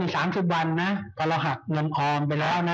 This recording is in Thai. เนาะสามสิบวันนะก่อนเราหักเงินมอมไปแล้วนะ